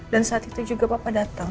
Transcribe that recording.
dan saat itu juga papa dateng